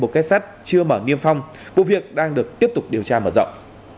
một kết sắt chưa mở niêm phong vụ việc đang được tiếp tục điều tra mở rộng